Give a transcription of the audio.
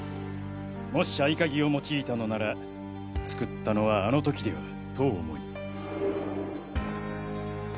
もし合鍵を用いたのなら作ったのはあの時ではと思い。